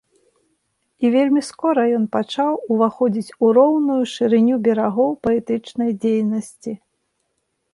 І вельмі скора ён пачаў уваходзіць у роўную шырыню берагоў паэтычнай дзейнасці.